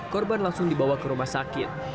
korban langsung dibawa ke rumah sakit